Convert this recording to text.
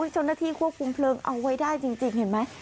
เจ้าหน้าที่ควบคุมเพลิงเอาไว้ได้จริงเห็นไหม